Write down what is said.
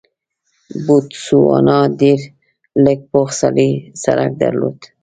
بوتسوانا ډېر لږ پوخ سړک درلود.